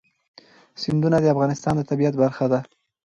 سیندونه د افغانستان د طبیعت برخه ده.